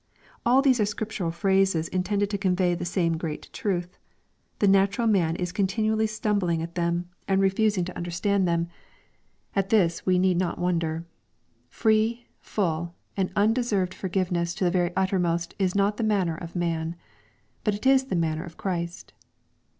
All these are scriptural phrases intended to convey the same great truth. The natural man is continually stumbling at them, and refusing to LUKE, CHAP. XXIV. 611 understand them. At this we need not wonder. Free, full, and undeserved forgiveness to the very uttermost is not the manner of man. But it is the manner of Christ.